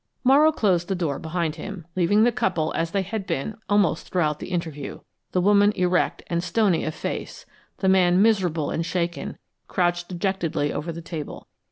Morrow closed the door behind him, leaving the couple as they had been almost throughout the interview the woman erect and stony of face, the man miserable and shaken, crouched dejectedly over the table.